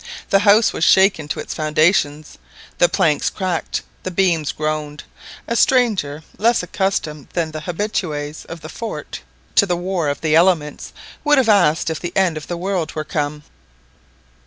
The house was shaken to its foundations, the planks cracked, the beams groaned. A stranger less accustomed than the habitués of the fort to the war of the elements, would have asked if the end of the world were come.